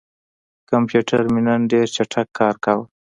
کمپیوټر مې نن ډېر چټک کار کاوه.